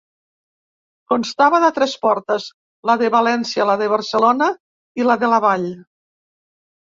Constava de tres portes, la de València, la de Barcelona i la de la Vall.